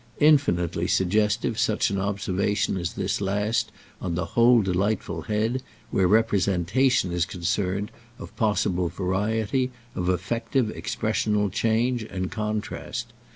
Infinitely suggestive such an observation as this last on the whole delightful head, where representation is concerned, of possible variety, of effective expressional change and contrast.